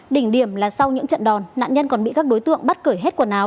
đỉnh điểm là sau những trận đòn nạn nhân còn bị các đối tượng bắt cởi hết quần áo